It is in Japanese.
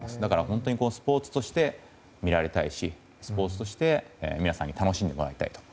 だからスポーツとして見られたいしスポーツとして皆さんに楽しんでもらいたいと。